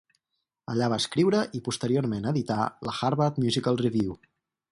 Allà va escriure i posteriorment editar la "Harvard Musical Review".